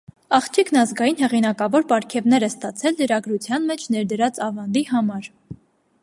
Աղջիկն ազգային հեղինակավոր պարգևներ է ստացել լրագրության մեջ ներդրած ավանդի համար։